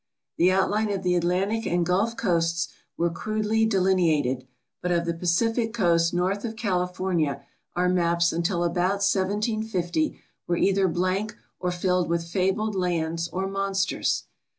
Thd out line of the Atlantic and Gulf coasts were crudely delineated, but of the Pacific coast north of California our maps until about 1750 were either blank or filled with fabled lands or monsters.